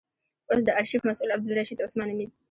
اوس د آرشیف مسئول عبدالرشید عثمان نومېد.